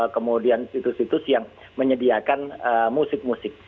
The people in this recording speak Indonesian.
kemudian situs situs yang menyediakan musik musik